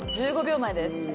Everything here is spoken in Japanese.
１５秒前です。